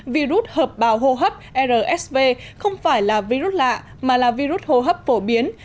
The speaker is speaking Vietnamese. virus hợp bào hô hấp rsv không phải là virus lạ mà là virus hô hấp phổ biến